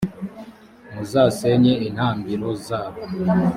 muzasenye intambiro zabo,